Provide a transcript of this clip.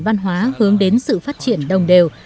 văn hóa hướng đến sự phát triển đồng đều